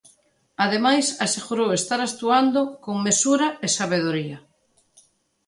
Ademais, asegurou estar actuando con "mesura" e "sabedoría".